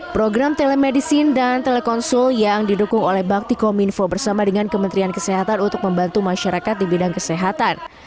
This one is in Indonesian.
program telemedicine dan telekonsul yang didukung oleh bakti kominfo bersama dengan kementerian kesehatan untuk membantu masyarakat di bidang kesehatan